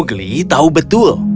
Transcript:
ogli tahu betul